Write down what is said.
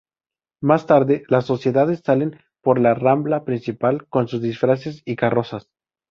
Más tarde, las sociedades salen por la rambla principal con sus disfraces y carrozas.